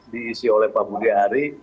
diisi oleh pak budi ari